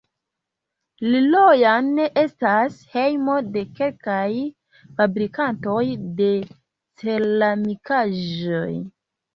Liloan estas hejmo de kelkaj fabrikantoj de ceramikaĵoj.